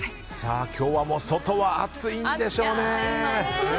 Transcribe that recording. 今日は、外は暑いんでしょうね。